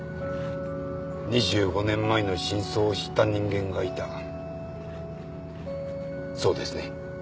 ２５年前の真相を知った人間がいたそうですね？